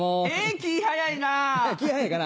気早いかな。